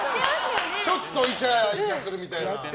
ちょっとイチャイチャするみたいなの。